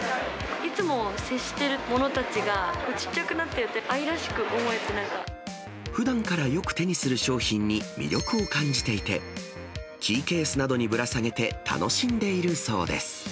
いつも接しているものたちが小っちゃくなってると愛らしく思ふだんからよく手にする商品に魅力を感じていて、キーケースなどにぶら下げて楽しんでいるそうです。